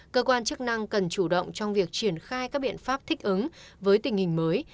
cơ quan chức năng cần chủ động trong việc triển khai các biện pháp thích ứng với tình hình mới